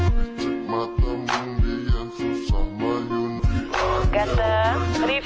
bisa diaruh pijak mata mundia susah main diantar